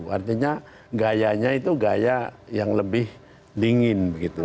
artinya gayanya itu gaya yang lebih dingin begitu